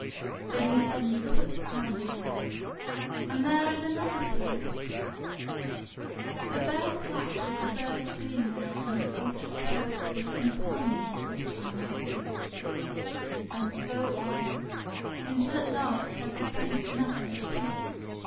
Then he suddenly puts down his head, and there is an other pose. The bare fact of the bird being there in an altered pose would compel me to alter my idea ; and so on, until at last I could paint nothing at all."